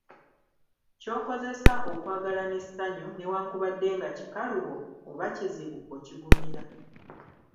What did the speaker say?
Ky'okozesa okwagala n'essanyu newankubadde nga kikalubo oba kizibu, okigumira.